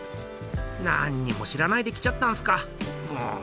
なんにも知らないで来ちゃったんすかもう。